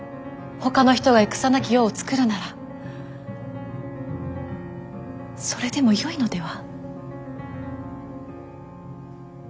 ほかの人が戦なき世を作るならそれでもよいのでは。